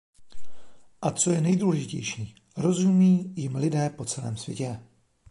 A co je nejdůležitější, rozumí jim lidé po celém světě.